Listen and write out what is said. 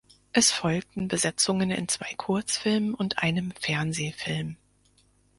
Es folgten Besetzungen in zwei Kurzfilmen und einem Fernsehfilm.